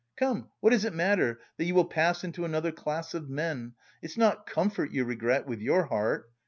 Come, what does it matter, that you will pass into another class of men? It's not comfort you regret, with your heart!